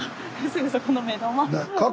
すぐそこの目の前。